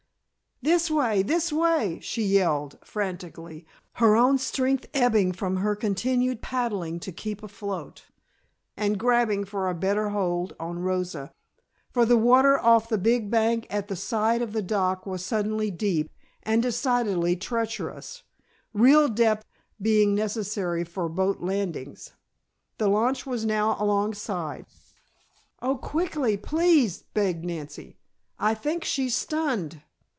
"This way! This way!" she yelled frantically, her own strength ebbing from her continued paddling to keep afloat, and grabbing for a better hold on Rosa, for the water off the big bank at the side of the dock was suddenly deep, and decidedly treacherous, real depth being necessary for boat landings. The launch was now alongside. "Oh, quickly, please!" begged Nancy. "I think she's stunned."